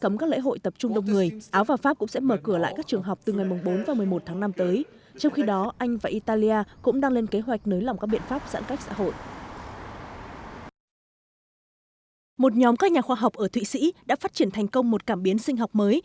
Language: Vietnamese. một nhóm các nhà khoa học ở thụy sĩ đã phát triển thành công một cảm biến sinh học mới